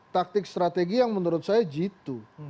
taktik strategi yang menurut saya jitu